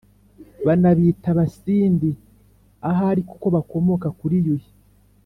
banabita abasindi ahari kuko bakomoka kuri yuhi